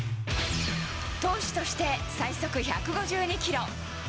投手として最速１５２キロ。